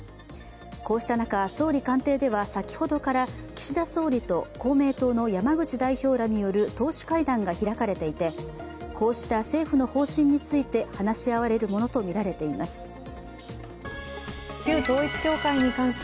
こうした中、総理官邸では先ほどから岸田総理と公明党の山口代表らによる党首会談が開かれていてこうした政府の方針について話し合われるものとみられています。